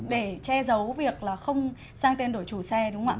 để che giấu việc là không sang tên đổi chủ xe đúng không ạ